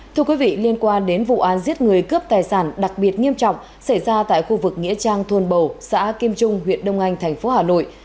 thưa quý vị liên quan đến vụ án giết người cướp tài sản đặc biệt nghiêm trọng xảy ra tại khu vực nghĩa trang thôn bầu xã kim trung huyện đông anh tp hà nội